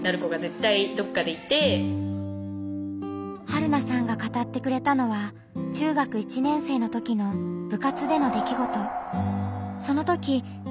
はるなさんが語ってくれたのは中学１年生のときの部活での出来ごと。